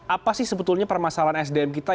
apa sih sebetulnya permasalahan sdm kita